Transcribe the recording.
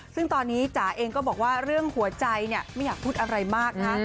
ซึ่งตอนนี้จ๋าเองก็บอกว่าเรื่องหัวใจเนี่ยไม่อยากพูดอะไรมากนะ